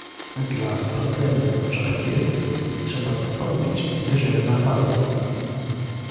"Dla sprawdzenia, że tak jest, trzeba zstąpić z wyżyny na padół."